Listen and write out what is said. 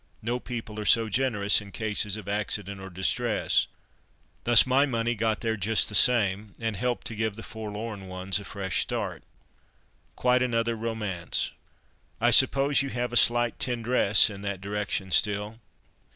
No people are so generous in cases of accident or distress. Thus my money 'got there just the same,' and helped to give the forlorn ones a fresh start." "Quite another romance—I suppose you have a slight tendresse in that direction still?"